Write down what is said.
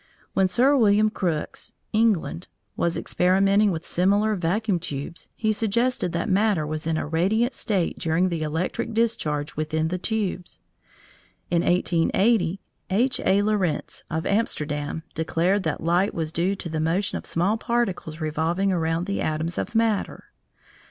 When Sir William Crookes (England) was experimenting with similar vacuum tubes he suggested that matter was in a "radiant" state during the electric discharge within the tubes. In 1880, H. A. Lorentz, of Amsterdam, declared that light was due to the motion of small particles revolving around the atoms of matter.